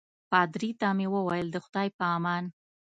پادري ته مې وویل د خدای په امان.